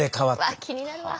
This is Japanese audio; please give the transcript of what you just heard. うわっ気になるわ。